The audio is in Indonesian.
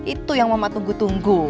itu yang mama tunggu tunggu